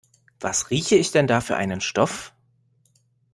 Was rieche ich denn da für einen Stoff?